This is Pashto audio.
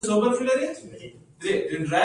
د بانجان رومي نیالګي کله قوریه کړم؟